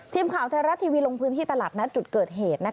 ทีมข่าวไทยรัฐทีวีลงพื้นที่ตลาดนัดจุดเกิดเหตุ